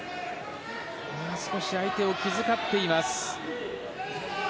少し相手を気遣っています。